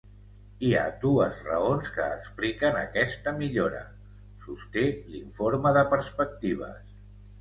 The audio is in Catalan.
Hi ha dues raons que expliquen aquesta millora, sosté l’informe de perspectives.